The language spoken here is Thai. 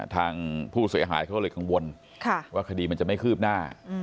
ทางผู้เสียหายเขาก็เลยกังวลว่าคดีมันจะไม่คืบหน้า